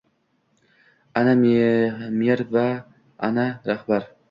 — Ana mer, ana rahbar!